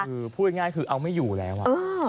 คือพูดง่ายคือเอาไม่อยู่แล้ว